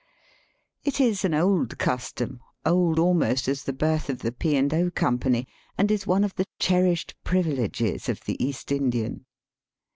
It is an old custom, old almost as the birth of the P. and 0. Company, and is one of the cherished privileges of the East Indian.